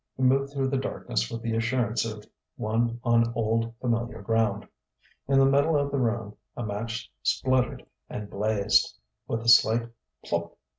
He moved through the darkness with the assurance of one on old, familiar ground. In the middle of the room a match spluttered and blazed: with a slight _plup!